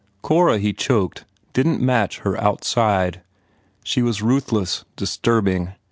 Cora, he choked, didn t match her outside. She was ruthless, disturbing.